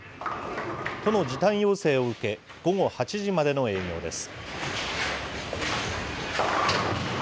都の時短要請を受け、午後８時までの営業です。